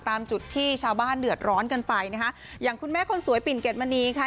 ตามจุดที่ชาวบ้านเดือดร้อนกันไปนะคะอย่างคุณแม่คนสวยปิ่นเกดมณีค่ะ